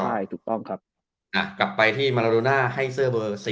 เอามาไปมะรุน่าให้เซอ